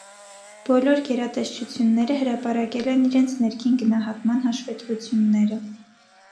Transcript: Բոլոր գերատեսչությունները հրապարակել են իրենց ներքին գնահատման հաշվետվությունները։